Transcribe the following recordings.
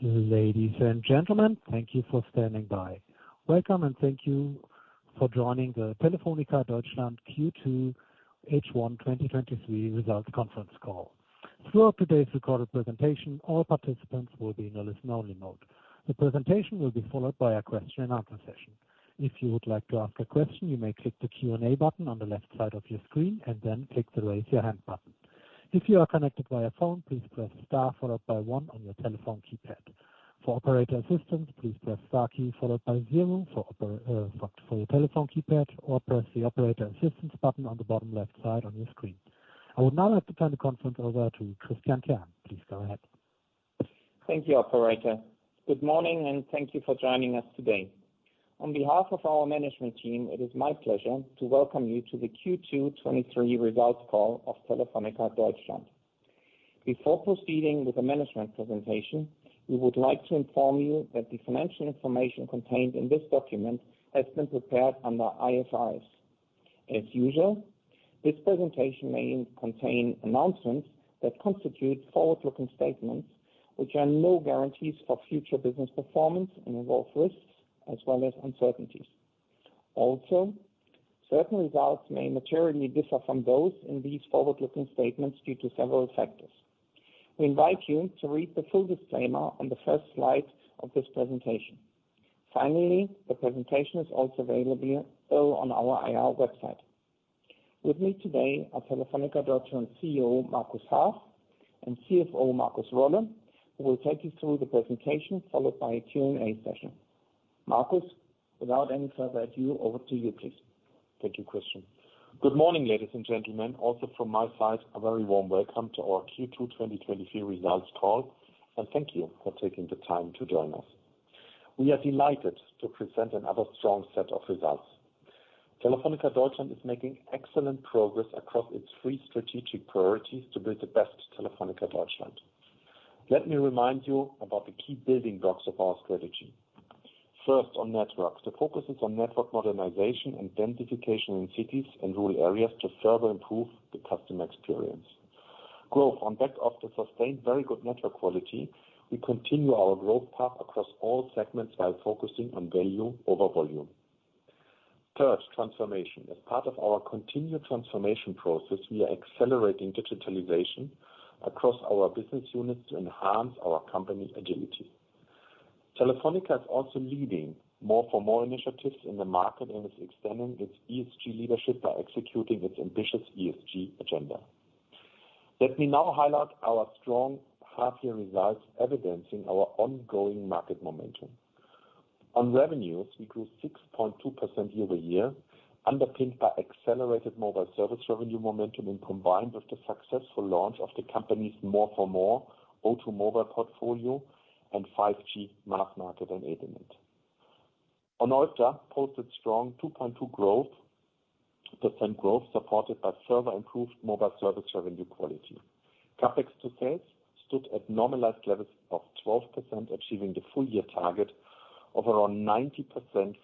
Ladies and gentlemen, thank you for standing by. Welcome, and thank you for joining the Telefónica Deutschland Q2 H1 2023 Results Conference Call. Throughout today's recorded presentation, all participants will be in a listen-only mode. The presentation will be followed by a question-and-answer session. If you would like to ask a question, you may click the Q&A button on the left side of your screen and then click the Raise Your Hand button. If you are connected via phone, please press Star followed by one on your telephone keypad. For operator assistance, please press star key followed by zero for your telephone keypad, or press the Operator Assistance button on the bottom left side on your screen. I would now like to turn the conference over to Christian Kern. Please go ahead. Thank you, operator. Good morning, thank you for joining us today. On behalf of our management team, it is my pleasure to welcome you to the Q2 2023 results call of Telefónica Deutschland. Before proceeding with the management presentation, we would like to inform you that the financial information contained in this document has been prepared under IFRSs. As usual, this presentation may contain announcements that constitute forward-looking statements, which are no guarantees for future business performance and involve risks as well as uncertainties. Certain results may materially differ from those in these forward-looking statements due to several factors. We invite you to read the full disclaimer on the first slide of this presentation. The presentation is also available on our IR website. With me today are Telefónica Deutschland CEO, Markus Haas, and CFO, Markus Rolle, who will take you through the presentation, followed by a Q&A session. Markus, without any further ado, over to you, please. Thank you, Christian. Good morning, ladies and gentlemen. Also from my side, a very warm welcome to our Q2 2023 results call. Thank you for taking the time to join us. We are delighted to present another strong set of results. Telefónica Deutschland is making excellent progress across its three strategic priorities to build the best Telefónica Deutschland. Let me remind you about the key building blocks of our strategy. First, on networks. The focus is on network modernization and densification in cities and rural areas to further improve the customer experience. Growth. On back of the sustained very good network quality, we continue our growth path across all segments while focusing on value over volume. Third, transformation. As part of our continued transformation process, we are accelerating digitalization across our business units to enhance our company agility. Telefónica is also leading more-for-more initiatives in the market and is extending its ESG leadership by executing its ambitious ESG agenda. Let me now highlight our strong half year results, evidencing our ongoing market momentum. Revenues, we grew 6.2% year-over-year, underpinned by accelerated mobile service revenue momentum and combined with the successful launch of the company's more-for-more O2 Mobile portfolio and 5G mass market and internet. O2, posted strong 2.2% growth, supported by further improved mobile service revenue quality. CapEx to sales stood at normalized levels of 12%, achieving the full-year target of around 90%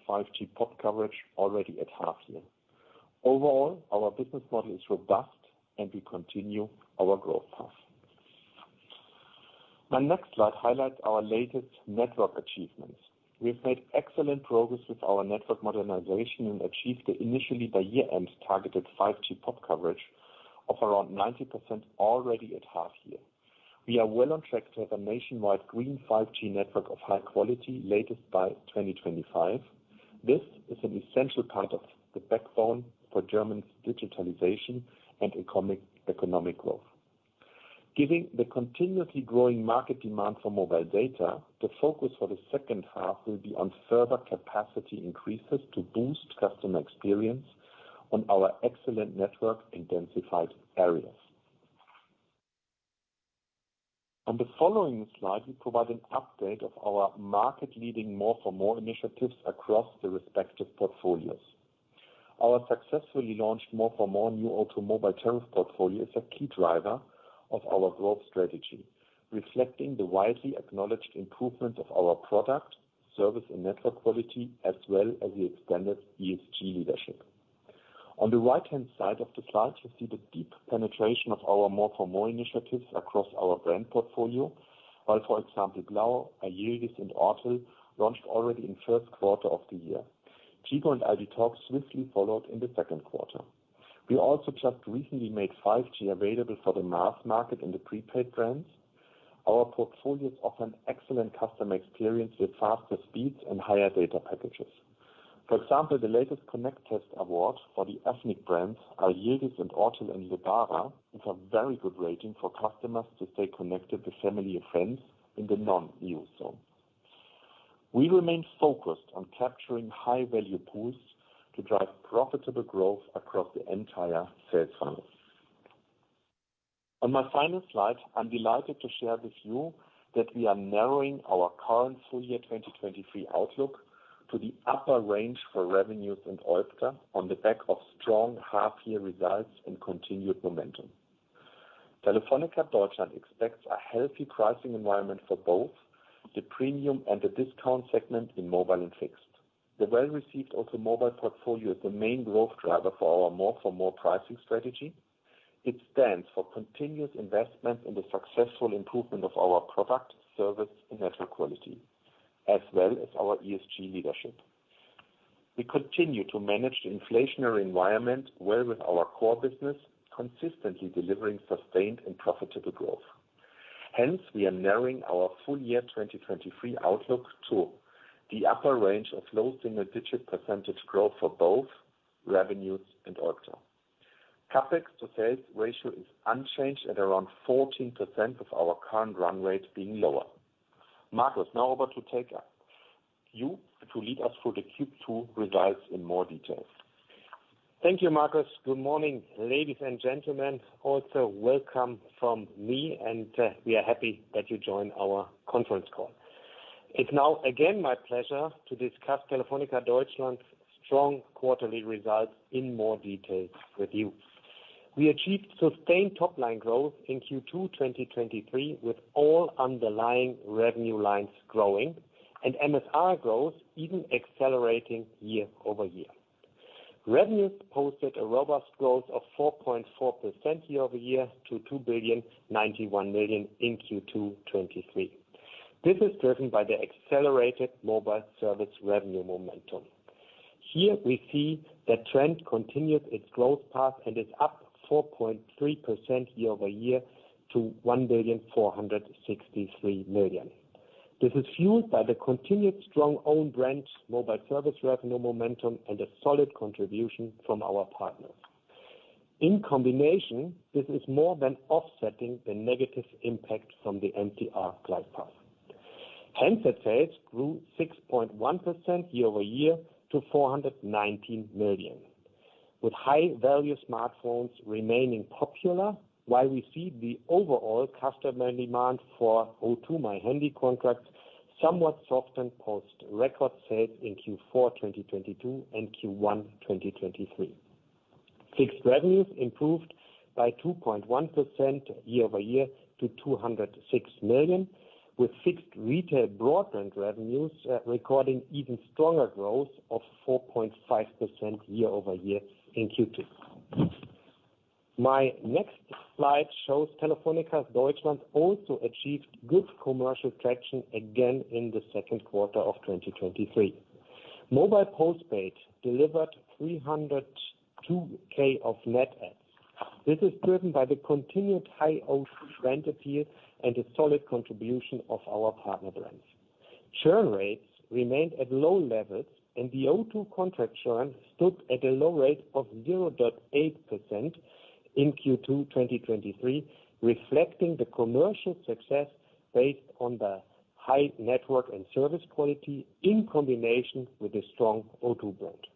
5G POP coverage already at half year. Our business model is robust, and we continue our growth path. My next slide highlights our latest network achievements. We've made excellent progress with our network modernization and achieved the initially by year-end targeted 5G POP coverage of around 90% already at half year. We are well on track to have a nationwide green 5G network of high quality latest by 2025. This is an essential part of the backbone for Germany's digitalization and economic growth. Given the continuously growing market demand for mobile data, the focus for the second half will be on further capacity increases to boost customer experience on our excellent network intensified areas. On the following slide, we provide an update of our market-leading More for More initiatives across the respective portfolios. Our successfully launched More for More new O2 Mobile tariff portfolio is a key driver of our growth strategy, reflecting the widely acknowledged improvement of our product, service and network quality, as well as the extended ESG leadership. On the right-hand side of the slide, you see the deep penetration of our More for More initiatives across our brand portfolio. For example, Blau, AY YILDIZ, and Ortel launched already in first quarter of the year. Tchibo and ALDI TALK swiftly followed in the second quarter. We also just recently made 5G available for the mass market in the prepaid brands. Our portfolios offer an excellent customer experience with faster speeds and higher data packages. For example, the latest connect test award for the ethnic brands are AY YILDIZ and Ortel and Lebara, with a very good rating for customers to stay connected with family and friends in the non-EU zone. We remain focused on capturing high-value pools to drive profitable growth across the entire sales funnel. On my final slide, I'm delighted to share with you that we are narrowing our current full-year 2023 outlook to the upper range for revenues and OIBDA on the back of strong half-year results and continued momentum. Telefónica Deutschland expects a healthy pricing environment for both the premium and the discount segment in mobile and fixed. The well-received O2 Mobile portfolio is the main growth driver for our More for More pricing strategy. It stands for continuous investment in the successful improvement of our product, service, and network quality, as well as our ESG leadership. We continue to manage the inflationary environment well with our core business, consistently delivering sustained and profitable growth. We are narrowing our full-year 2023 outlook to the upper range of low single digit percentage growth for both revenues and OIBDA. CapEx to sales ratio is unchanged at around 14% of our current run rate being lower. Markus, now over to take you, to lead us through the Q2 results in more detail. Thank you, Markus. Good morning, ladies and gentlemen. Also, welcome from me. We are happy that you joined our conference call. It's now again, my pleasure to discuss Telefónica Deutschland's strong quarterly results in more detail with you. We achieved sustained top-line growth in Q2 2023, with all underlying revenue lines growing and MSR growth even accelerating year-over-year. Revenues posted a robust growth of 4.4% year-over-year, to 2.091 billion in Q2 2023. This is driven by the accelerated mobile service revenue momentum. Here, we see the trend continued its growth path and is up 4.3% year-over-year, to 1.463 billion. This is fueled by the continued strong own brand mobile service revenue momentum, a solid contribution from our partners. In combination, this is more than offsetting the negative impact from the MTR glide path. Handset sales grew 6.1% year-over-year to 419 million, with high-value smartphones remaining popular. While we see the overall customer demand for O2 My Handy contracts somewhat soft and post-record sales in Q4 2022 and Q1 2023. Fixed revenues improved by 2.1% year-over-year to 206 million, with fixed retail broadband revenues recording even stronger growth of 4.5% year-over-year in Q2. My next slide shows Telefónica Deutschland also achieved good commercial traction again in the second quarter of 2023. Mobile postpaid delivered 302k of net adds. This is driven by the continued high O2 brand appeal and the solid contribution of our partner brands. Churn rates remained at low levels. The O2 contract churn stood at a low rate of 0.8% in Q2 2023, reflecting the commercial success based on the high network and service quality in combination with the strong O2 brand.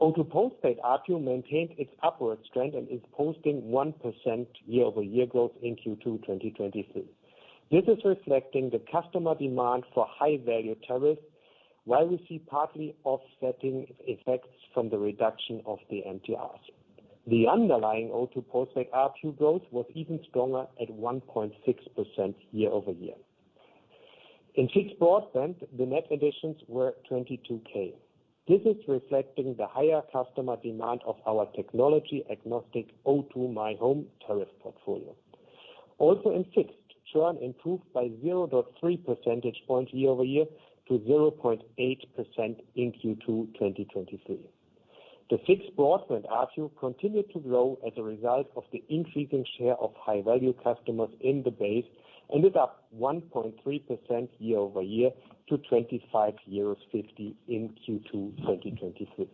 O2 postpaid ARPU maintained its upward trend and is posting 1% year-over-year growth in Q2 2023. This is reflecting the customer demand for high-value tariffs, while we see partly offsetting effects from the reduction of the MTRs. The underlying O2 postpaid ARPU growth was even stronger at 1.6% year-over-year. In fixed broadband, the net additions were 22k. This is reflecting the higher customer demand of our technology-agnostic O2 my Home tariff portfolio. In fixed, churn improved by 0.3 percentage points year-over-year to 0.8% in Q2 2023. The fixed broadband ARPU continued to grow as a result of the increasing share of high-value customers in the base, ended up 1.3% year-over-year to 25.50 in Q2 2023.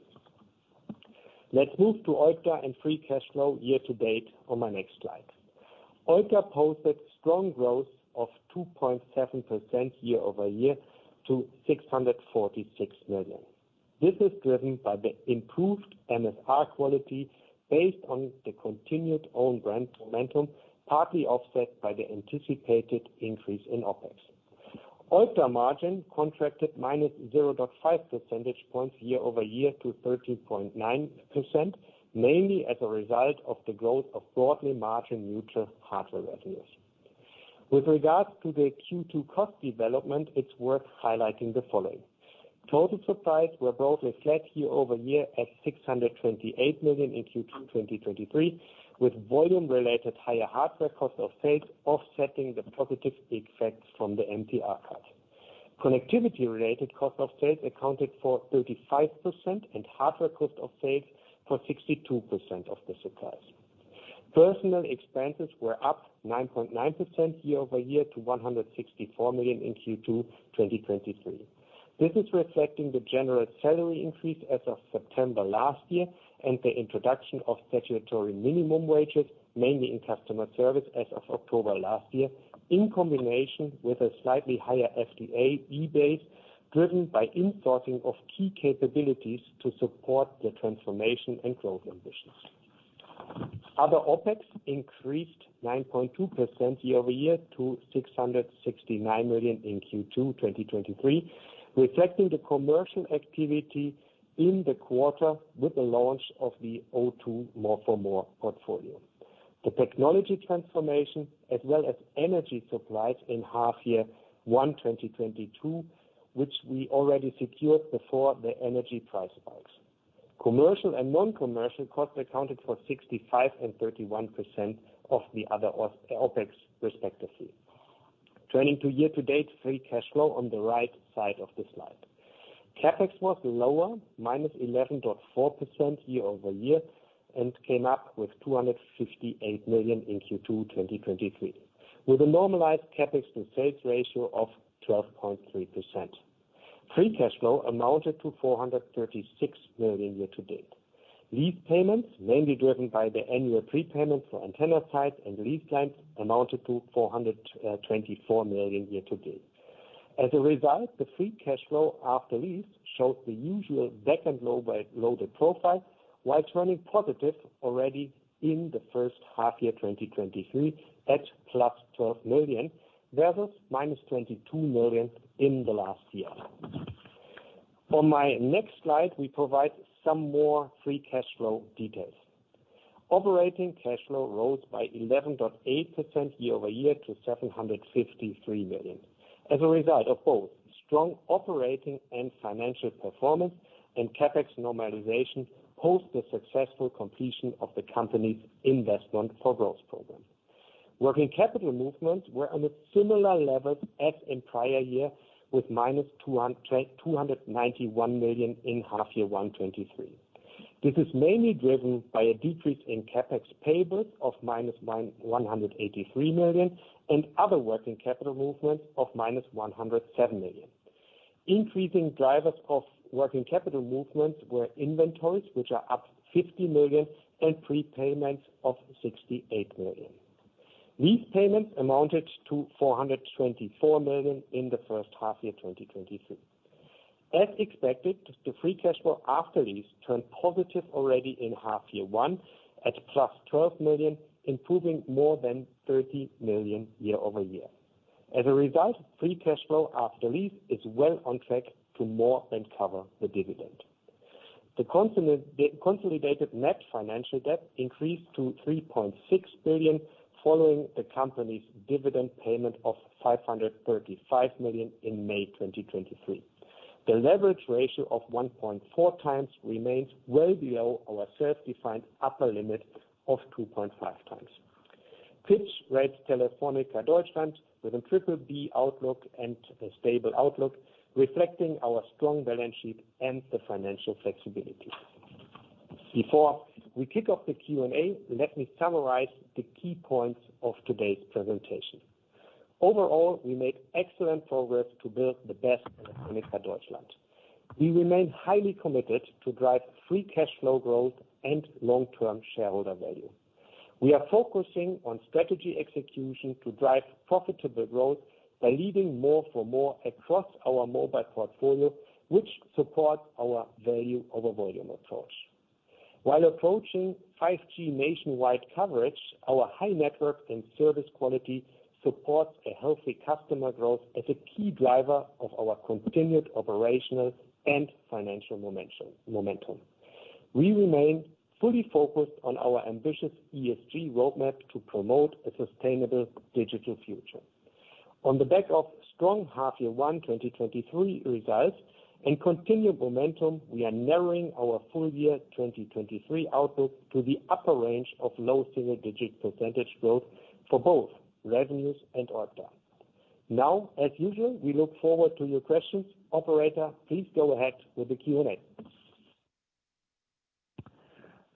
Let's move to OIBDA and free cash flow year to date on my next slide. OIBDA posted strong growth of 2.7% year-over-year to 646 million. This is driven by the improved MSR quality based on the continued own brand momentum, partly offset by the anticipated increase in OpEx. OIBDA margin contracted -0.5 percentage points year-over-year to 13.9%, mainly as a result of the growth of broadly margin neutral hardware revenues. With regards to the Q2 cost development, it's worth highlighting the following: Total supplies were broadly flat year-over-year at 628 million in Q2 2023, with volume-related higher hardware cost of sales offsetting the positive effects from the MTR cut. Connectivity-related cost of sales accounted for 35%, and hardware cost of sales for 62% of the supplies. Personnel expenses were up 9.9% year-over-year to 164 million in Q2 2023. This is reflecting the general salary increase as of September last year, and the introduction of statutory minimum wages, mainly in customer service as of October last year, in combination with a slightly higher FTE base, driven by insourcing of key capabilities to support the transformation and growth ambitions. Other OpEx increased 9.2% year-over-year to 669 million in Q2 2023, reflecting the commercial activity in the quarter with the launch of the O2 More for More portfolio. The technology transformation as well as energy supplies in H1 2022, which we already secured before the energy price rise. Commercial and non-commercial costs accounted for 65% and 31% of the other OpEx, respectively. Turning to year-to-date free cash flow on the right side of the slide. CapEx was lower, -11.4% year-over-year, and came up with 258 million in Q2 2023, with a normalized CapEx-to-Sales ratio of 12.3%. Free cash flow amounted to 436 million year-to-date. Lease payments, mainly driven by the annual prepayment for antenna sites and lease lines, amounted to 424 million year-to-date. As a result, the free cash flow after lease showed the usual second low by loaded profile, while turning positive already in H1 2023, at +12 million, versus -22 million in the last year. On my next slide, we provide some more free cash flow details. Operating cash flow rose by 11.8% year-over-year to 753 million. As a result of both strong operating and financial performance and CapEx normalization post the successful completion of the company's Investment for Growth program. Working capital movements were on a similar level as in prior year, with -291 million in H1 2023. This is mainly driven by a decrease in CapEx payables of minus 183 million and other working capital movements of minus 107 million. Increasing drivers of working capital movements were inventories, which are up 50 million, and prepayments of 68 million. Lease payments amounted to 424 million in the first half year, 2023. As expected, the free cash flow after lease turned positive already in half year one at +12 million, improving more than 30 million year-over-year. As a result, free cash flow after lease is well on track to more than cover the dividend. The consolidated net financial debt increased to 3.6 billion, following the company's dividend payment of 535 million in May 2023. The leverage ratio of 1.4x remains well below our self-defined upper limit of 2.5x. Fitch rates Telefónica Deutschland with a BBB outlook and a Stable Outlook, reflecting our strong balance sheet and the financial flexibility. Before we kick off the Q&A, let me summarize the key points of today's presentation. Overall, we make excellent progress to build the best Telefónica Deutschland. We remain highly committed to drive free cash flow growth and long-term shareholder value. We are focusing on strategy execution to drive profitable growth by leading more-for-more across our mobile portfolio, which supports our value-over-volume approach. While approaching 5G nationwide coverage, our high network and service quality supports a healthy customer growth as a key driver of our continued operational and financial momentum. We remain fully focused on our ambitious ESG roadmap to promote a sustainable digital future. On the back of strong half year one, 2023 results and continued momentum, we are narrowing our full-year 2023 outlook to the upper range of low single-digit percentage growth for both revenues and OIBDA. Now, as usual, we look forward to your questions. Operator, please go ahead with the Q&A.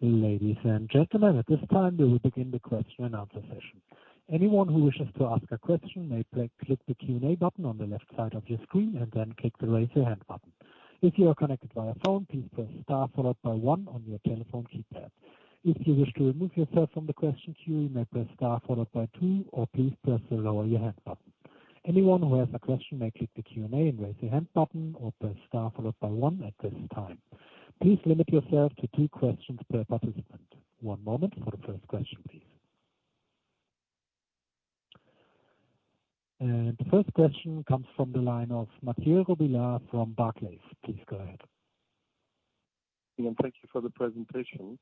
Ladies and gentlemen, at this time, we will begin the Q&A session. Anyone who wishes to ask a question may click the Q&A button on the left side of your screen and then click the Raise Your Hand button. If you are connected via phone, please press star followed by one on your telephone keypad. If you wish to remove yourself from the question queue, you may press star followed by two or please press the Lower Your Hand button. Anyone who has a question may click the Q&A and Raise Your Hand button or press star followed by one at this time. Please limit yourself to two questions per participant. One moment for the first question, please. The first question comes from the line of Mathieu Robilliard from Barclays. Please go ahead. Thank you for the presentation.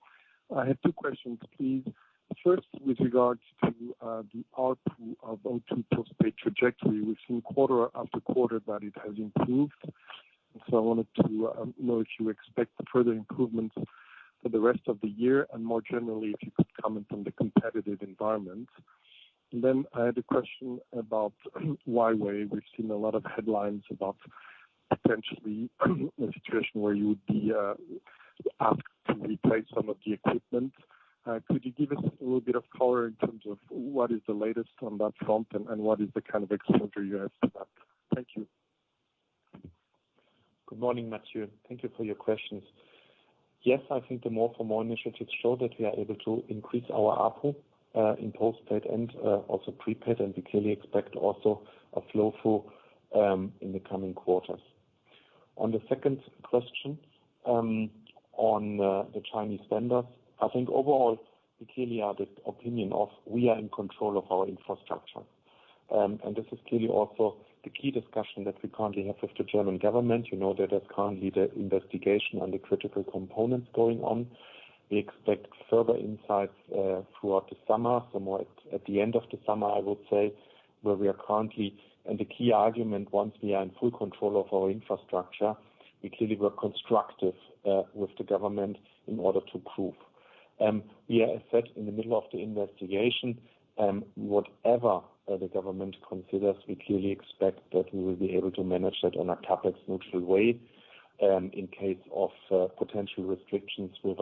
I have two questions, please. First, with regards to the R2 of O2 postpaid trajectory, we've seen quarter after quarter that it has improved. I wanted to know if you expect further improvements for the rest of the year and more generally, if you could comment on the competitive environment. I had a question about Huawei. We've seen a lot of headlines about potentially a situation where you would be asked to replace some of the equipment. Could you give us a little bit of color in terms of what is the latest on that front, and what is the kind of exposure you have to that? Thank you. Good morning, Mathieu. Thank you for your questions. Yes, I think the more-for-more initiatives show that we are able to increase our output in postpaid and also prepaid. We clearly expect also a flow-through in the coming quarters. On the second question, on the Chinese vendors, I think overall, we clearly are the opinion of we are in control of our infrastructure. This is clearly also the key discussion that we currently have with the German government. You know, there is currently the investigation on the critical components going on. We expect further insights, throughout the summer, somewhere at the end of the summer, I would say, where we are currently. The key argument, once we are in full control of our infrastructure, we clearly were constructive with the government in order to prove. We are, as said, in the middle of the investigation, whatever the government considers, we clearly expect that we will be able to manage that on a CapEx-neutral way, in case of potential restrictions with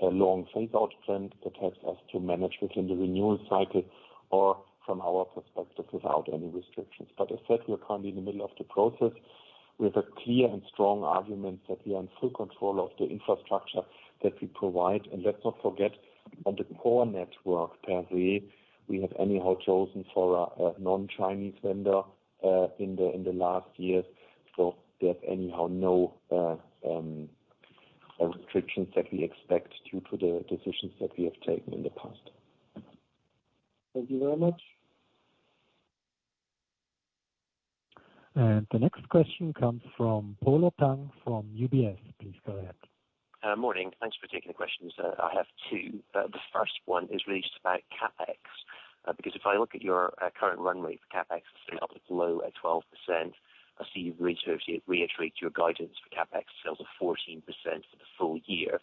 a long phase-out plan that helps us to manage within the renewal cycle, or from our perspective, without any restrictions. As said, we are currently in the middle of the process. We have a clear and strong argument that we are in full control of the infrastructure that we provide. Let's not forget, on the core network per se, we have anyhow chosen for a non-Chinese vendor in the last years. There are anyhow no restrictions that we expect due to the decisions that we have taken in the past. Thank you very much. The next question comes from Polo Tang from UBS. Please go ahead. Morning. Thanks for taking the questions. I have two. The first one is really just about CapEx because if I look at your current runway for CapEx, it's still up low at 12%. I see you've reiterated your guidance for CapEx sales of 14% for the full-year.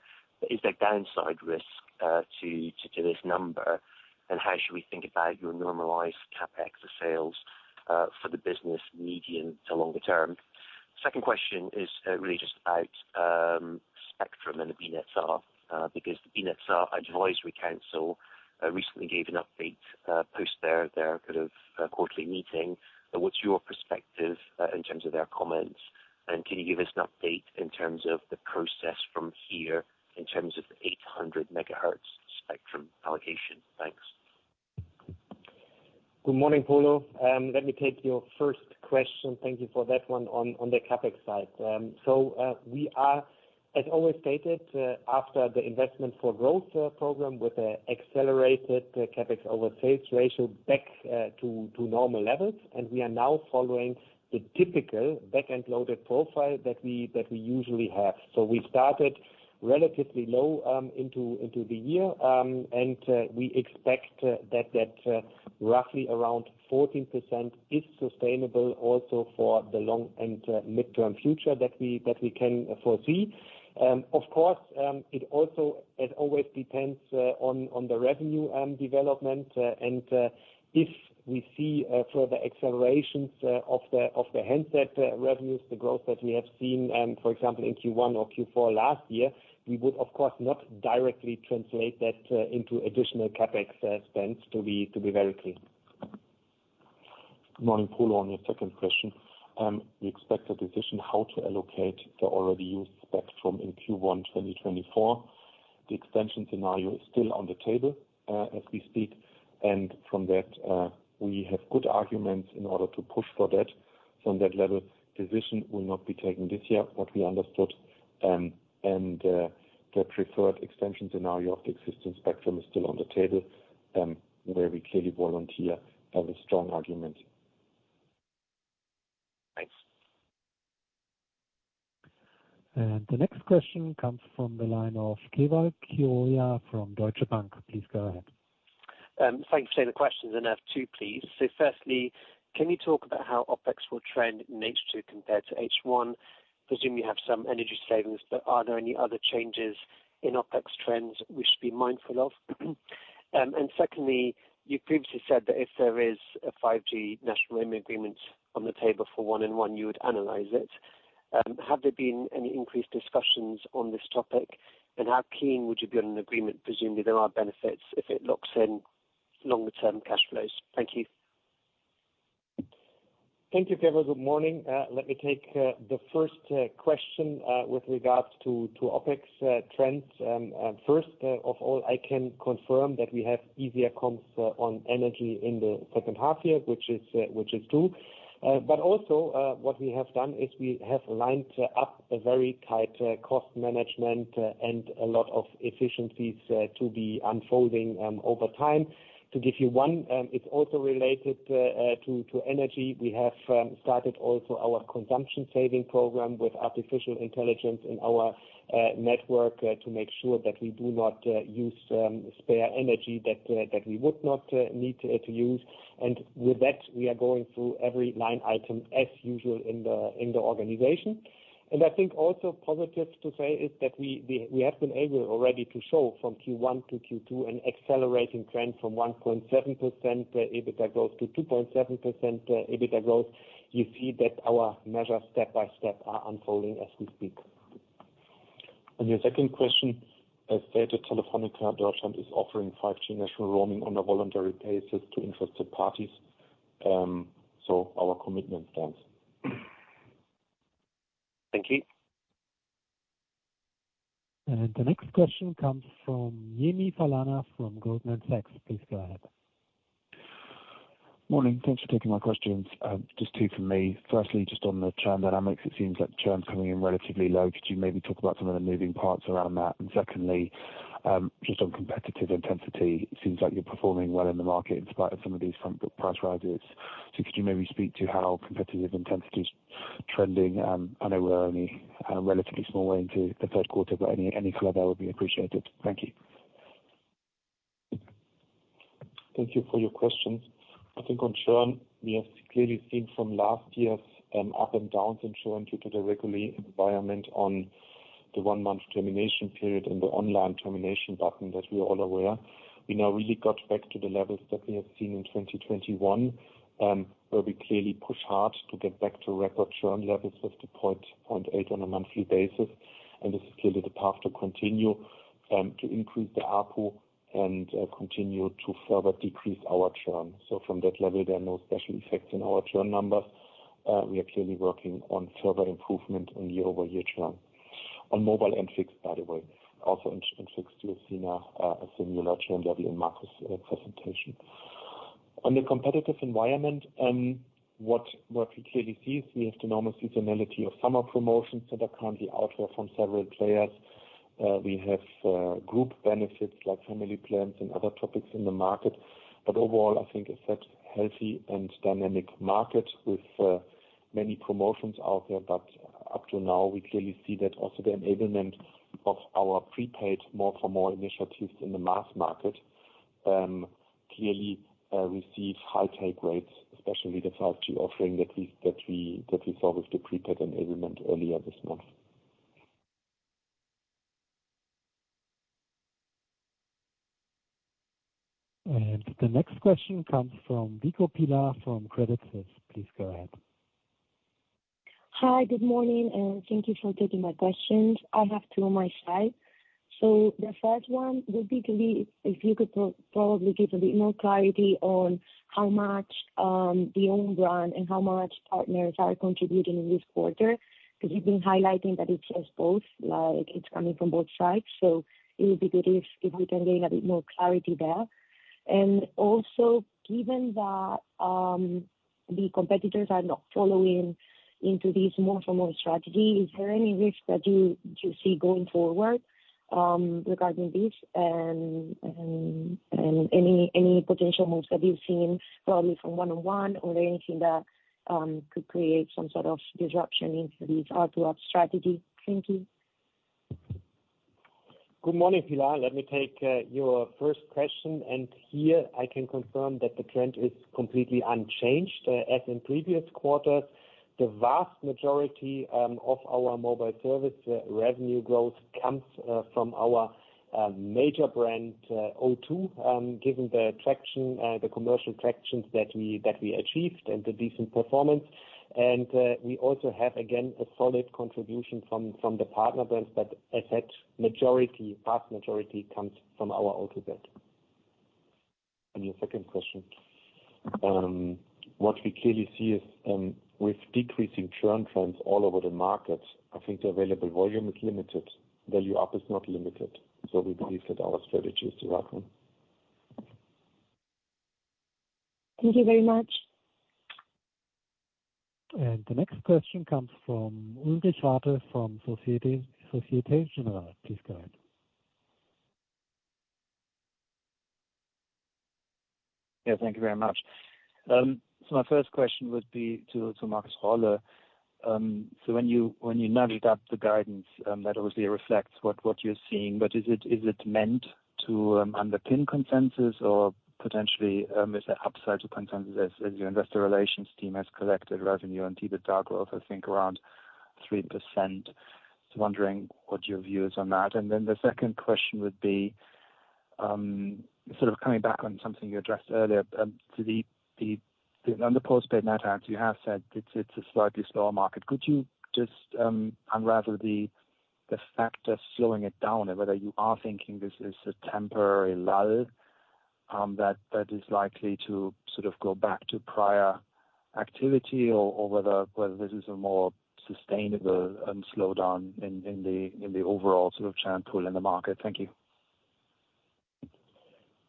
Is there downside risk to this number? How should we think about your normalized CapEx sales for the business medium to longer-term? Second question is really just about spectrum and the BNR because the BNetzA Advisory Council recently gave an update post their kind of quarterly meeting. What's your perspective in terms of their comments? Can you give us an update in terms of the process from here, in terms of 800 MHz spectrum allocation? Thanks. Good morning, Polo. Let me take your first question. Thank you for that one on the CapEx side. We are, as always stated, after the Investment for Growth program with the accelerated CapEx over sales ratio back to normal levels. We are now following the typical back-end loaded profile that we usually have. We started relatively low into the year. We expect that roughly around 14% is sustainable also for the long and mid-term future that we can foresee. Of course, it always depends on the revenue development. If we see further accelerations of the handset revenues, the growth that we have seen, for example, in Q1 or Q4 last year, we would, of course, not directly translate that into additional CapEx spends to be very clear. Morning, Polo, on your second question. We expect a decision how to allocate the already used spectrum in Q1 2024. The extension scenario is still on the table, as we speak, and from that, we have good arguments in order to push for that. From that level, decision will not be taken this year, what we understood. The preferred extension scenario of the existing spectrum is still on the table, where we clearly volunteer as a strong argument. Thanks. The next question comes from the line of Keval Khiroya from Deutsche Bank. Please go ahead. Thanks for taking the questions, I have two please. Firstly, can you talk about how OpEx will trend in H2 compared to H1? I presume you have some energy savings, are there any other changes in OpEx trends we should be mindful of? Secondly, you previously said that if there is a 5G national roaming agreement on the table for 1&1, you would analyze it. Have there been any increased discussions on this topic, how keen would you be on an agreement? Presumably, there are benefits if it locks in longer-term cash flows. Thank you. Thank you, Keval. Good morning. Let me take the first question with regards to OpEx trends. First of all, I can confirm that we have easier comps on energy in the second half year, which is true. Also, what we have done is we have lined up a very tight cost management and a lot of efficiencies to be unfolding over time. To give you one, it's also related to energy. We have started also our consumption saving program with artificial intelligence in our network to make sure that we do not use spare energy that we would not need to use. With that, we are going through every line item as usual in the organization. I think also positive to say is that we have been able already to show from Q1-Q2 an accelerating trend from 1.7% EBITDA growth to 2.7% EBITDA growth. You see that our measures step by step are unfolding as we speak. On your second question, as stated, Telefónica Deutschland is offering 5G national roaming on a voluntary basis to interested parties. Our commitment stands. Thank you. The next question comes from Yemi Falana from Goldman Sachs. Please go ahead. Morning. Thanks for taking my questions. Just two from me. Firstly, just on the churn dynamics, it seems like the churn is coming in relatively low. Could you maybe talk about some of the moving parts around that? Secondly, just on competitive intensity, it seems like you're performing well in the market in spite of some of these front book price rises. Could you maybe speak to how competitive intensity? trending, I know we're only a relatively small way into the third quarter, but any color that would be appreciated. Thank you. Thank you for your questions. I think on churn, we have clearly seen from last year's up and downs in churn due to the regulatory environment on the one-month termination period and the online termination button that we're all aware. We now really got back to the levels that we have seen in 2021, where we clearly push hard to get back to record churn levels of 2.8% on a monthly basis. This is clearly the path to continue to increase the ARPU and continue to further decrease our churn. From that level, there are no special effects in our churn numbers. We are clearly working on further improvement in year-over-year churn. On mobile and fixed, by the way. Also, in fixed, you have seen a similar churn level in Markus presentation. On the competitive environment, what we clearly see is we have the normal seasonality of summer promotions that are currently out there from several players. We have group benefits like family plans and other topics in the market. Overall, I think it's such healthy and dynamic market with many promotions out there. Up to now, we clearly see that also the enablement of our prepaid more for more initiatives in the mass market clearly receive high take rates, especially the inaudible offering that we saw with the prepaid enablement earlier this month. The next question comes from Pilar Vico from Credit Suisse. Please go ahead. Hi, good morning, and thank you for taking my questions. I have two on my side. The first one would be, if you could probably give a bit more clarity on how much the own brand and how much partners are contributing in this quarter. Because you've been highlighting that it's as both, like, it's coming from both sides. It would be good if we can gain a bit more clarity there. Given that the competitors are not following into this more-for-more strategy, is there any risk that you see going forward regarding this, and any potential moves that you've seen, probably from 1&1, or anything that could create some sort of disruption into these ARPU strategy? Thank you. Good morning, Pilar. Let me take your first question. Here I can confirm that the trend is completely unchanged as in previous quarters. The vast majority of our mobile service revenue growth comes from our major brand, O2, given the traction, the commercial tractions that we achieved and the decent performance. We also have, again, a solid contribution from the partner brands, but as such, majority, vast majority comes from our O2 brand. Your second question. What we clearly see is with decreasing churn trends all over the market, I think the available volume is limited. Value up is not limited. We believe that our strategy is the right one. Thank you very much. The next question comes from Ulrich Rathe, from Société Générale. Please go ahead. Yeah, thank you very much. My first question would be to Markus Rolle. When you nugget up the guidance, that obviously reflects what you're seeing, but is it meant to underpin consensus or potentially is it upside to consensus, as your Investor Relations team has collected revenue and EBITDA growth, I think around 3%? Wondering what your view is on that. The second question would be, sort of coming back on something you addressed earlier. On the postpaid net add, you have said it's a slightly slower market. Could you just unravel the fact of slowing it down, and whether you are thinking this is a temporary lull that is likely to sort of go back to prior activity? Whether this is a more sustainable slowdown in the overall sort of churn pool in the market. Thank you.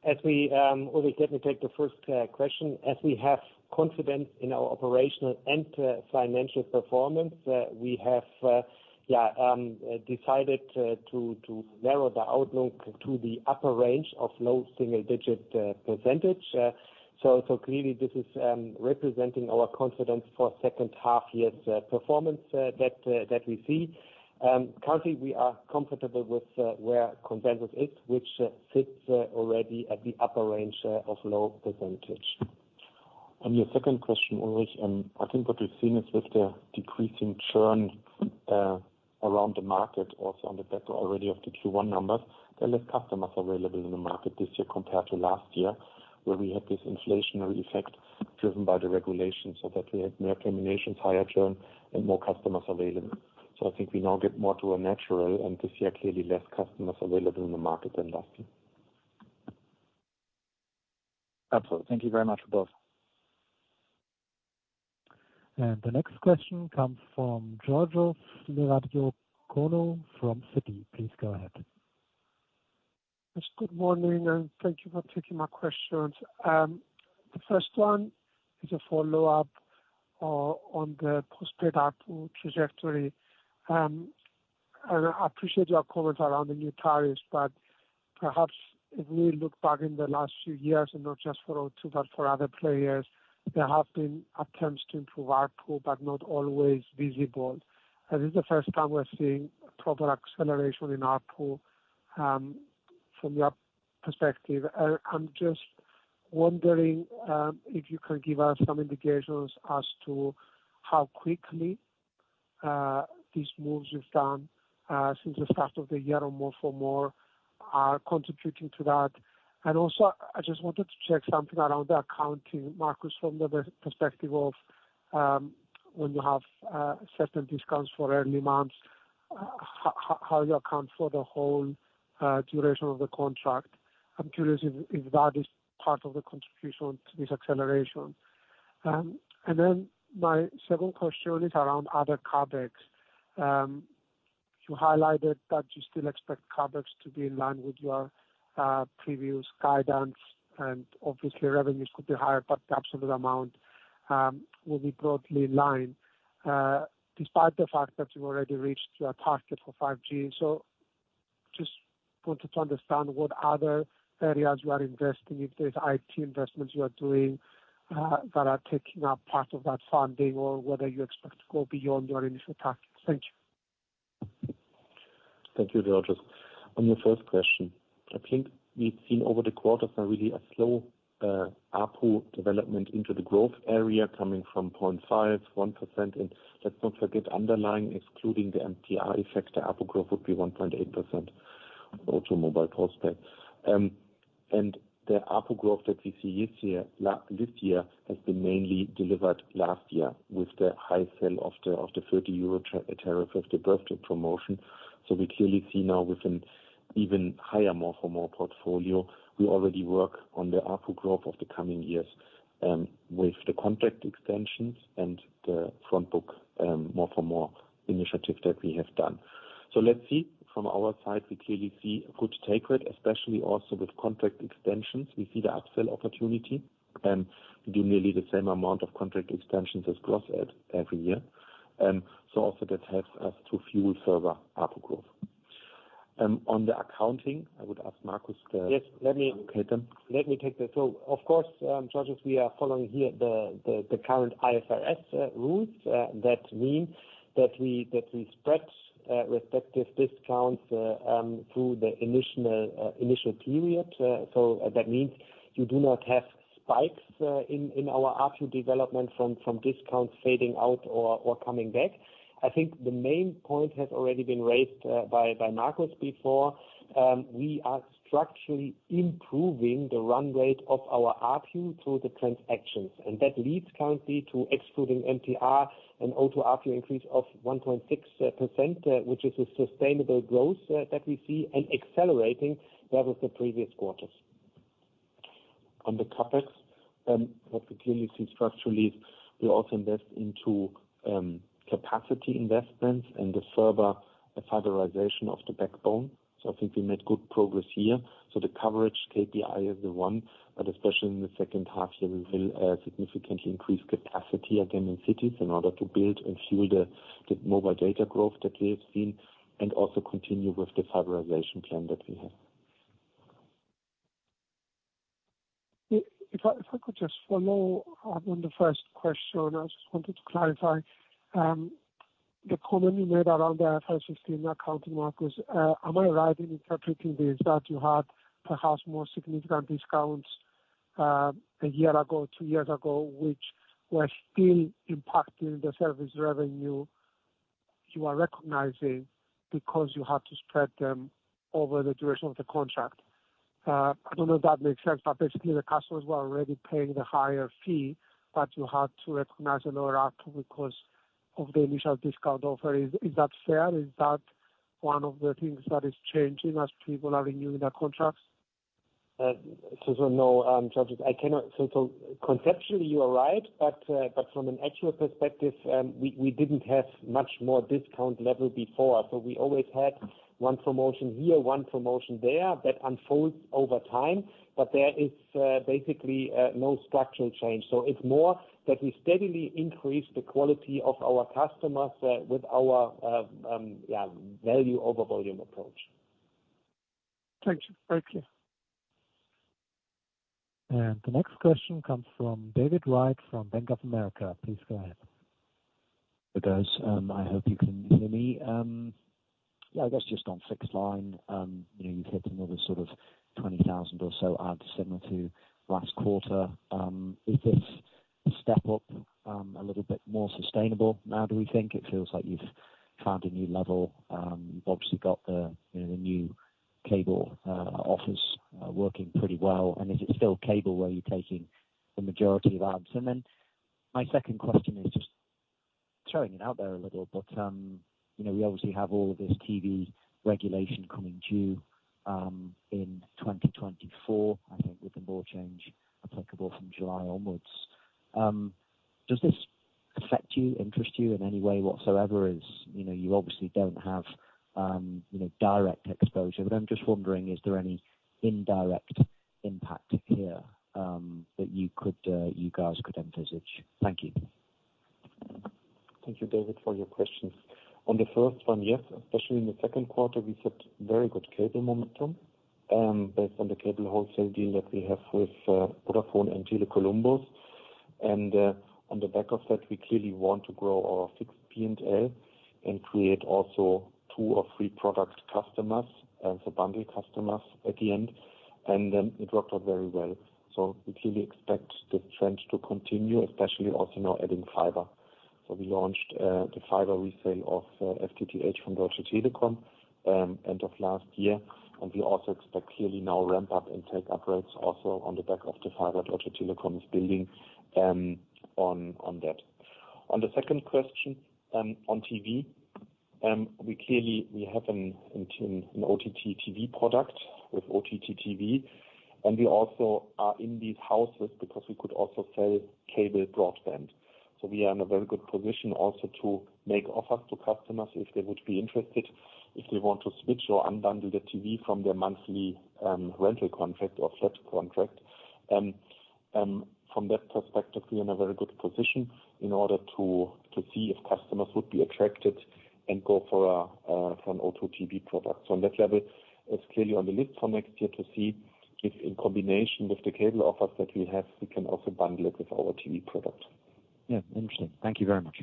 As we, Ulrich, let me take the first question. As we have confidence in our operational and financial performance, we have decided to narrow the outlook to the upper range of low single digit percentage. Clearly this is representing our confidence for second half year's performance that we see. Currently, we are comfortable with where consensus is, which sits already at the upper range of low percentage. Your second question, Ulrich, I think what we've seen is with the decreasing churn around the market, also on the back already of the Q1 numbers, there are less customers available in the market this year compared to last year, where we had this inflationary effect driven by the regulation, so that we had more terminations, higher churn, and more customers available. I think we now get more to a natural, and this year, clearly less customers available in the market than last year. Absolutely. Thank you very much for both. The next question from Georgios Lerodiaconou from Citi. Please go ahead. Yes, good morning, thank you for taking my questions. The first one is a follow-up on the postpaid ARPU trajectory. I appreciate your comment around the new tariffs, but perhaps if we look back in the last few years, and not just for O2, but for other players, there have been attempts to improve ARPU, but not always visible. This is the first time we're seeing proper acceleration in ARPU. From your perspective, I'm just wondering if you can give us some indications as to how quickly these moves you've done since the start of the year or more-for-more, are contributing to that? Also, I just wanted to check something around the accounting, Markus, from the perspective of, when you have, certain discounts for early months, how you account for the whole duration of the contract. I'm curious if that is part of the contribution to this acceleration. My second question is around other CapEx. You highlighted that you still expect CapEx to be in line with your previous guidance, and obviously revenues could be higher, but the absolute amount will be broadly in line despite the fact that you've already reached your target for 5G. Just wanted to understand what other areas you are investing, if there's IT investments you are doing, that are taking up part of that funding, or whether you expect to go beyond your initial target? Thank you. Thank you, Georgios. On your first question, I think we've seen over the quarter a really, a slow ARPU development into the growth area, coming from 0.51%. Let's not forget, underlying, excluding the MTR effect, the ARPU growth would be 1.8% mobile postpay. The ARPU growth that we see this year has been mainly delivered last year with the high sale of the 30 euro tariff, of the birthday promotion. We clearly see now with an even higher more-for-more portfolio, we already work on the ARPU growth of the coming years, with the contract extensions and the front book, more-for-more initiative that we have done. Let's see. From our side, we clearly see a good take rate, especially also with contract extensions. We see the upsell opportunity, and we do nearly the same amount of contract extensions as gross add every year. Also that helps us to fuel further ARPU growth. On the accounting, I would ask Markus. Yes, let me- Okay, then. Let me take that. Of course, Georgios, we are following here the current IFRS rules. That mean that we spread respective discounts through the initial period. That means you do not have spikes in our ARPU development from discounts fading out or coming back. I think the main point has already been raised by Markus before. We are structurally improving the run rate of our ARPU through the transactions, and that leads currently to excluding MTR and auto ARPU increase of 1.6%, which is a sustainable growth that we see, and accelerating that of the previous quarters. On the CapEx, what we clearly see structurally, we also invest into capacity investments and the further fiberization of the backbone. I think we made good progress here. The coverage KPI is the one, and especially in the second half year, we will significantly increase capacity again in cities in order to build and fuel the mobile data growth that we have seen, and also continue with the fiberization plan that we have. If I could just follow up on the first question, I just wanted to clarify the comment you made around the IFRS in accounting markets, am I right in interpreting this, that you had perhaps more significant discounts a year ago, two years ago, which were still impacting the service revenue you are recognizing because you have to spread them over the duration of the contract? I don't know if that makes sense, but basically the customers were already paying the higher fee, but you had to recognize a lower ARPU because of the initial discount offer. Is that fair? Is that one of the things that is changing as people are renewing their contracts? No, Georgios, I cannot. Conceptually, you are right, but from an actual perspective, we didn't have much more discount level before. We always had one promotion here, one promotion there that unfolds over time, but there is, basically, no structural change. It's more that we steadily increase the quality of our customers, with our, yeah, value-over-volume approach. Thank you. Very clear. The next question comes from David Wright from Bank of America. Please go ahead. Hey, guys. I hope you can hear me. I guess just on fixed line, you know, you've hit another sort of 20,000 or so adds, similar to last quarter. Is this step up a little bit more sustainable now, do we think? It feels like you've found a new level. You've obviously got the, you know, the new cable office working pretty well. Is it still cable where you're taking the majority of adds? My second question is just throwing it out there a little, you know, we obviously have all of this TV regulation coming due in 2024, I think, with the law change applicable from July onwards. Does this affect you, interest you in any way whatsoever? Is, you know, you obviously don't have, you know, direct exposure, but I'm just wondering, is there any indirect impact here, that you could, you guys could envisage? Thank you. Thank you, David, for your questions. On the first one, yes, especially in the second quarter, we set very good cable momentum, based on the cable wholesale deal that we have with Vodafone and Tele Columbus. On the back of that, we clearly want to grow our fixed P&L and create also two or three product customers, as a bundle customers at the end, and then it worked out very well. We clearly expect the trend to continue, especially also now adding fiber. We launched the fiber resale of FTTH from Deutsche Telekom, end of last year. We also expect clearly now ramp up and take upgrades also on the back of the fiber Deutsche Telekom is building, on that. On the second question, on TV, we clearly have an in-tune, an OTT TV product with OTT TV, and we also are in these houses because we could also sell cable broadband. We are in a very good position also to make offers to customers if they would be interested, if they want to switch or unbundle their TV from their monthly rental contract or flat contract. From that perspective, we're in a very good position in order to see if customers would be attracted and go for an O2 TV product. On that level, it's clearly on the list for next year to see if in combination with the cable offers that we have, we can also bundle it with our TV product. Yeah. Interesting. Thank you very much.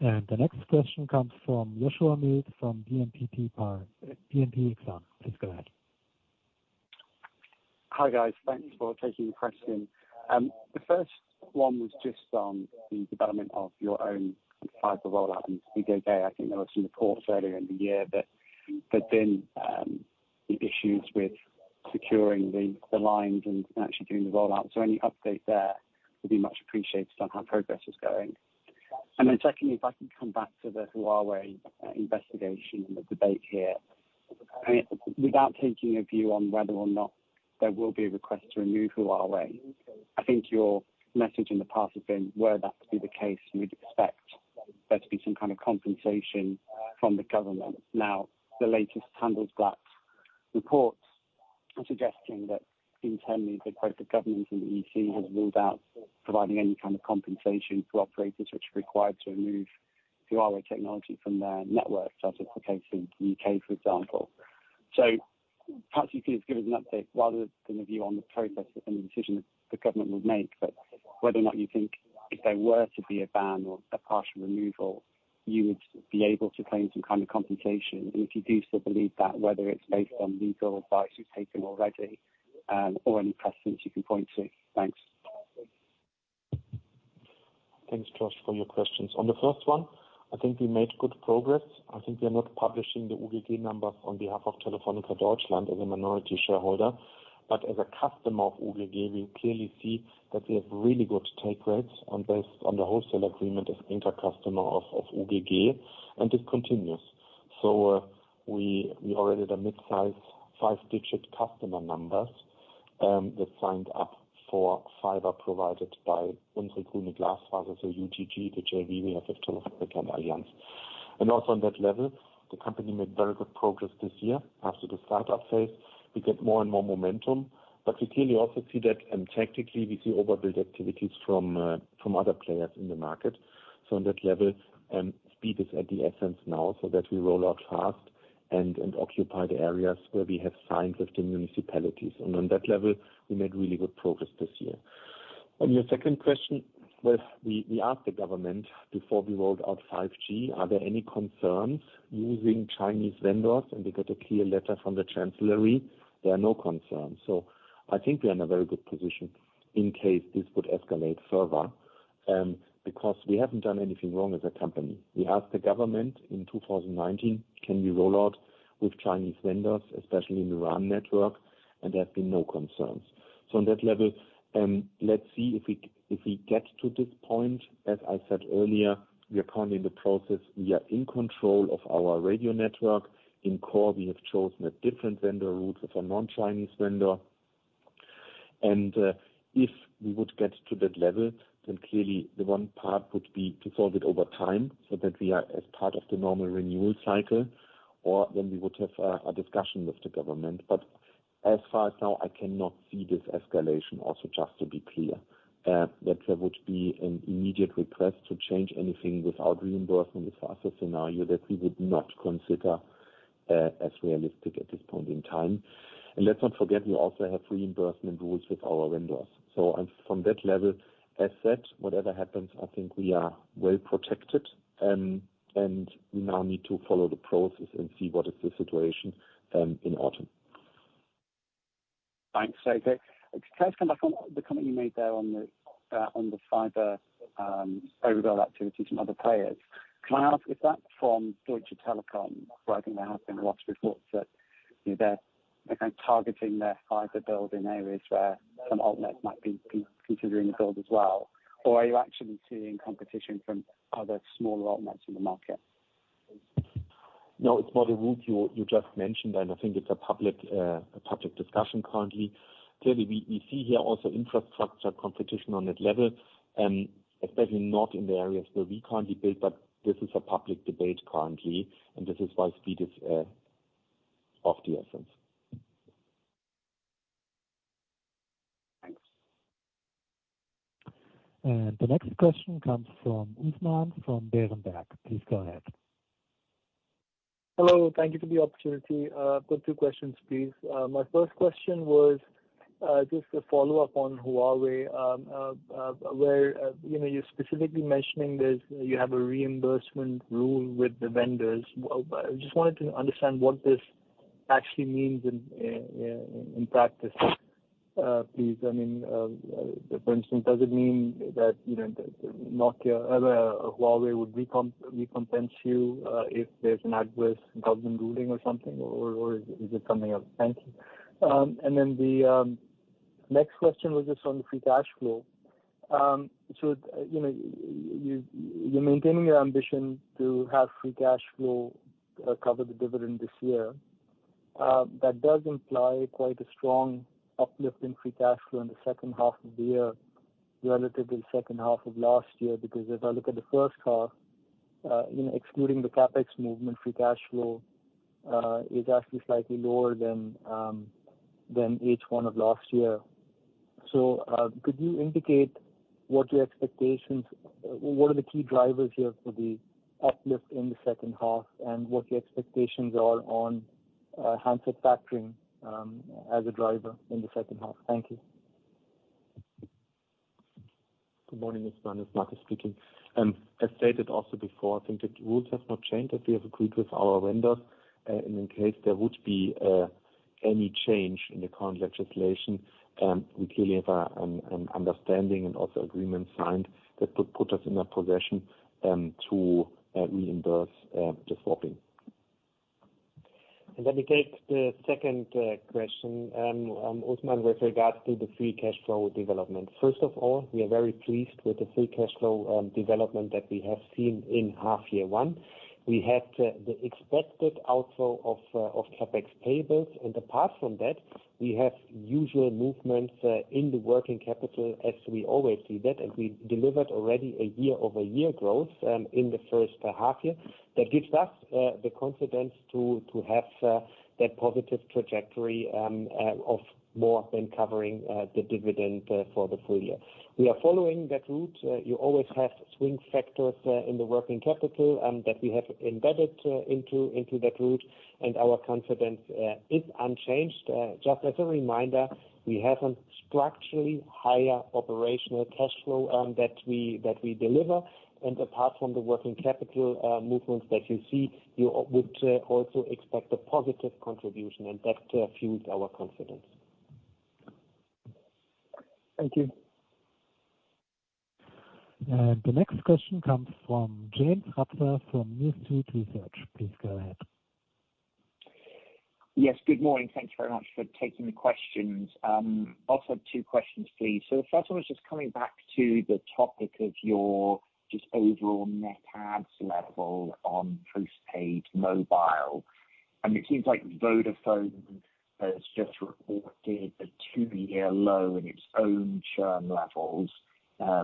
The next question comes from Joshua Mills from BNP Paribas. Please go ahead. Hi, guys. Thanks for taking the question. The first one was just on the development of your own fiber rollout and speed. I think there were some reports earlier in the year, but then the issues with securing the lines and actually doing the rollout. Any update there would be much appreciated on how progress is going. Secondly, if I can come back to the Huawei investigation and the debate here. I mean, without taking a view on whether or not there will be a request to remove Huawei, I think your message in the past has been, were that to be the case, you'd expect there to be some kind of compensation from the government. The latest Handelsblatt reports are suggesting that internally, the quote, "The government in the EC has ruled out providing any kind of compensation to operators which are required to remove Huawei technology from their networks," such as the case in the UK, for example. Perhaps you could just give us an update, rather than a view on the process and the decision the government would make, but whether or not you think if there were to be a ban or a partial removal, you would be able to claim some kind of compensation. If you do still believe that, whether it's based on legal advice you've taken already, or any precedents you can point to. Thanks. Thanks, Josh, for your questions. On the first one, I think we made good progress. I think we are not publishing the OGG numbers on behalf of Telefónica Deutschland as a minority shareholder, but as a customer of OGG, we clearly see that we have really good take rates on base, on the wholesale agreement as intercustomer of OGG, and this continues. We are already at a mid-size, five-digit customer numbers that signed up for fiber provided by Unsere Grüne Glasfaser, so UGG, the JV we have with Telefónica and Allianz. Also on that level, the company made very good progress this year. After the startup phase, we get more and more momentum, but we clearly also see that tactically we see overbuild activities from other players in the market. On that level, speed is at the essence now, so that we roll out fast and occupy the areas where we have signed with the municipalities. On that level, we made really good progress this year. On your second question, we asked the government before we rolled out 5G, "Are there any concerns using Chinese vendors?" We got a clear letter from the chancellery. There are no concerns. I think we are in a very good position in case this would escalate further, because we haven't done anything wrong as a company. We asked the government in 2019, "Can we roll out with Chinese vendors, especially in the RAN network?" There have been no concerns. On that level, let's see if we, if we get to this point, as I said earlier, we are currently in the process. We are in control of our radio network. In core, we have chosen a different vendor, route with a non-Chinese vendor. If we would get to that level, then clearly the one part would be to solve it over time so that we are as part of the normal renewal cycle, or then we would have a discussion with the government. As far as now, I cannot see this escalation also just to be clear, that there would be an immediate request to change anything without reimbursement. The fastest scenario that we would not consider as realistic at this point in time. Let's not forget, we also have reimbursement rules with our vendors. on from that level, as said, whatever happens, I think we are well protected, and we now need to follow the process and see what is the situation, in autumn. Thanks. Can I just come back on the comment you made there on the fiber overbuild activity from other players? Can I ask, is that from Deutsche Telekom, where I think there have been a lot of reports that they're kind of targeting their fiber build in areas where some alt nets might be considering the build as well? Are you actually seeing competition from other smaller alt nets in the market? No, it's not a route you just mentioned, I think it's a public discussion currently. Clearly, we see here also infrastructure competition on that level, especially not in the areas where we currently build. This is a public debate currently. This is why speed is of the essence. Thanks. The next question comes from Usman from Berenberg. Please go ahead. Hello. Thank you for the opportunity. I've got two questions, please. My first question was just a follow-up on Huawei. Where, you know, you're specifically mentioning this, you have a reimbursement rule with the vendors. I just wanted to understand what this actually means in practice, please. I mean, for instance, does it mean that, you know, Nokia or Huawei would recompense you if there's an adverse government ruling or something, or, is it something else? Thank you. The next question was just on the free cash flow. You know, you're maintaining your ambition to have free cash flow cover the dividend this year. That does imply quite a strong uplift in free cash flow in H2 relative to H2 of last year. If I look at H1, you know, excluding the CapEx movement, free cash flow is actually slightly lower than H1 of last year. Could you indicate what your expectations, what are the key drivers here for the uplift in H2, and what your expectations are on handset factoring as a driver in H2? Thank you. Good morning, Usman. It's Markus speaking. As stated also before, I think the rules have not changed, that we have agreed with our vendors. In case there would be any change in the current legislation, we clearly have an understanding and also agreement signed, that would put us in a position to reimburse the swapping. Let me take the second question, Usman, with regards to the free cash flow development. First of all, we are very pleased with the free cash flow development that we have seen in half year one. We had the expected outflow of CapEx payables, and apart from that, we have usual movements in the working capital, as we always see that. We delivered already a year-over-year growth in the first half year. That gives us the confidence to have that positive trajectory of more than covering the dividend for the full-year. We are following that route. You always have swing factors in the working capital that we have embedded into that route, and our confidence is unchanged. Just as a reminder, we have a structurally higher operational cash flow that we deliver. Apart from the working capital movements that you see, you would also expect a positive contribution. That fuels our confidence. Thank you. The next question comes from James Ratzer from New Street Research. Please go ahead. Yes, good morning. Thank you very much for taking the questions. Also have two questions, please. The first one was just coming back to the topic of your just overall net adds level on post-paid mobile. It seems like Vodafone has just reported a two-year low in its own churn levels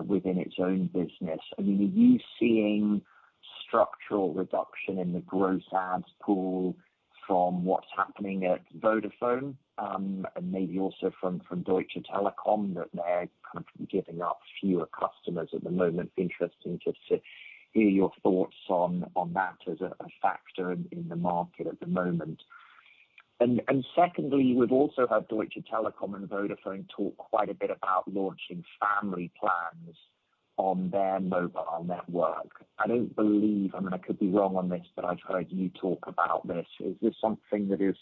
within its own business. I mean, are you seeing structural reduction in the gross adds pool from what's happening at Vodafone? And maybe also from Deutsche Telekom, that they're kind of giving up fewer customers at the moment. Interesting to hear your thoughts on that as a factor in the market at the moment. Secondly, we've also had Deutsche Telekom and Vodafone talk quite a bit about launching family plans on their mobile network. I don't believe, I mean, I could be wrong on this, but I've heard you talk about this. Is this something that is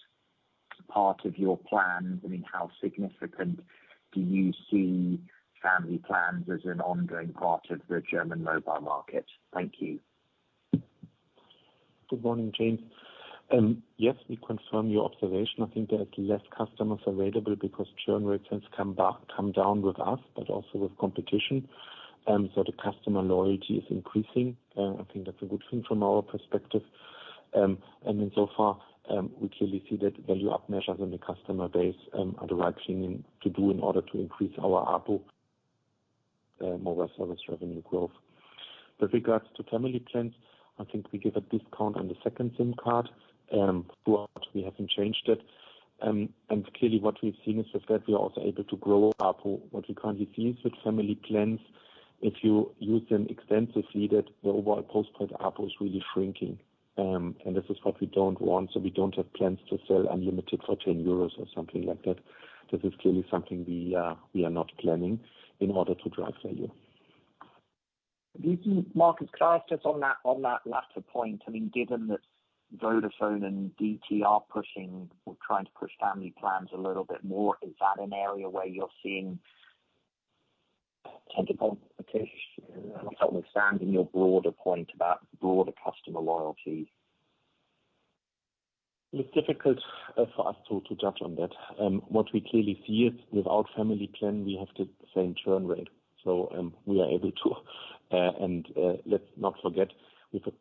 part of your plans? I mean, how significant do you see family plans as an ongoing part of the German mobile market? Thank you. Good morning, James. Yes, we confirm your observation. I think there are less customers available because churn rates has come down with us, but also with competition. So the customer loyalty is increasing. I think that's a good thing from our perspective. So far, we clearly see that value add measures in the customer base, are the right thing to do in order to increase our ARPU, mobile service revenue growth. With regards to family plans, I think we give a discount on the second SIM card, throughout. We haven't changed it. Clearly what we've seen is that we are also able to grow ARPU. What we currently see is with family plans, if you use them extensively, that the overall postpaid ARPU is really shrinking. This is what we don't want, so we don't have plans to sell unlimited for 10 euros or something like that. This is clearly something we are not planning in order to drive value. Markus, could I ask just on that, on that latter point? I mean, given that Vodafone and DTR pushing or trying to push family plans a little bit more, is that an area where you're seeing potential competition, notwithstanding your broader point about broader customer loyalty? It's difficult for us to judge on that. What we clearly see is, without family plan, we have the same churn rate, so we are able to. And let's not forget we have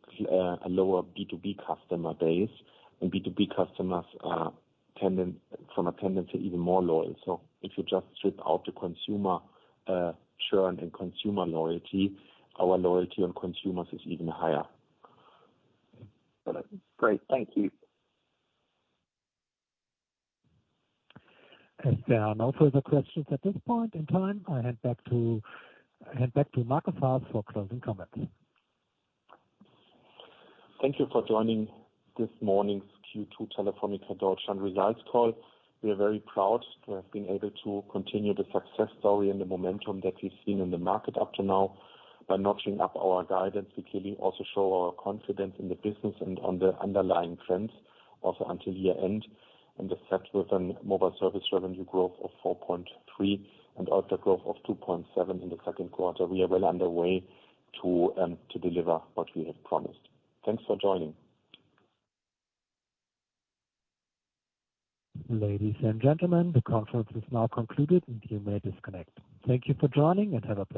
a lower B2B customer base, and B2B customers are from a tendency, even more loyal. So if you just strip out the consumer churn and consumer loyalty, our loyalty on consumers is even higher. Great. Thank you. As there are no further questions at this point in time, I hand back to Markus Haas for closing comments. Thank you for joining this morning's Q2 Telefónica Deutschland results call. We are very proud to have been able to continue the success story and the momentum that we've seen in the market up to now. By notching up our guidance, we clearly also show our confidence in the business and on the underlying trends, also until year-end. The fact with an mobile service revenue growth of 4.3%, and OIBDA growth of 2.7% in the second quarter, we are well underway to deliver what we have promised. Thanks for joining. Ladies and gentlemen, the conference is now concluded. You may disconnect. Thank you for joining. Have a pleasant day.